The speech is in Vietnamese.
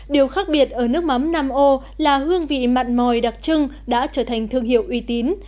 điều khác biệt ở nước mắm nam âu là hương vị mặn mòi đặc trưng đã trở thành thương hiệu uy tín